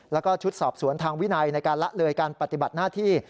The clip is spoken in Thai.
แล้วก็ชุดสอบสวนทางวินัยในการละเลยการปฏิบัติหน้าที่